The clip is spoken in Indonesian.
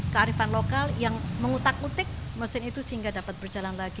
kearifan lokal yang mengutak utik mesin itu sehingga dapat berjalan lagi